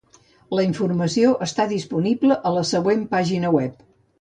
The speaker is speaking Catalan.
La informació està disponible a la següent pàgina web.